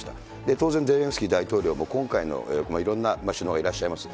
当然、ゼレンスキー大統領も今回の、いろんな首脳がいらっしゃいます。